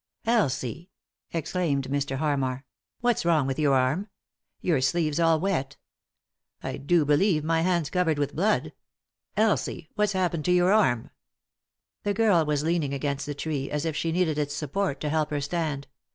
"Elsie," exclaimed Mr. Harmar, "what's wrong with your arm ? Your sleeve's all wet I do believe my hand's covered with blood 1 Elsie, what's happened to your arm ?" The girl was leaning against the tree, as if she needed its support to help her stand.